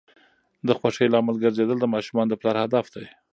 د خوښۍ لامل ګرځیدل د ماشومانو د پلار هدف دی.